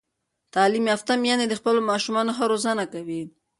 تعلیم یافته میندې د خپلو ماشومانو ښه روزنه کوي.